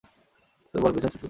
তুমি বলের পেছনে ছুটতে চাও!